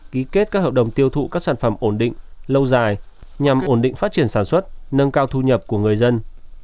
ký kết các hợp đồng tiêu thụ các sản phẩm ổn định lâu dài nhằm ổn định phát triển sản xuất nâng cao thu nhập của người dân